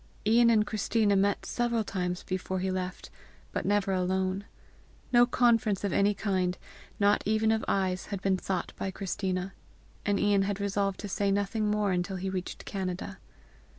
Ian and Christina met several times before he left, but never alone. No conference of any kind, not even of eyes, had been sought by Christina, and Ian had resolved to say nothing more until he reached Canada.